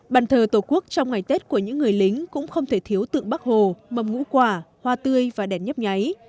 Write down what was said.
bàn thờ tổ quốc trong ngày tết của những người lính cũng không thể thiếu tượng bác hồ mầm ngũ quả hoa tươi và đèn nhấp nháy